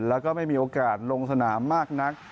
แล้วก็ไม่มีโอกาสลงสนามมากนัก